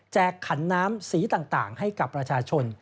ขันน้ำสีต่างให้กับประชาชน